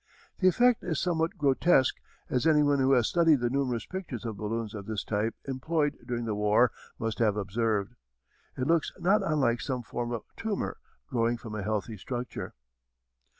The effect is somewhat grotesque as anyone who has studied the numerous pictures of balloons of this type employed during the war must have observed. It looks not unlike some form of tumor growing from a healthy structure.